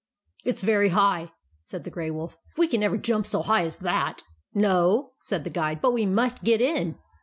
"It's very high," said the Grey Wolf. "We can never jump so high as that." " No," said the Guide; " but we must get in.